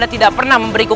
jangan kesan sebab ayah anda